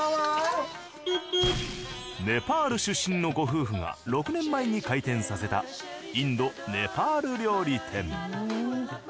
ネパール出身のご夫婦が６年前に開店させたインド・ネパール料理店。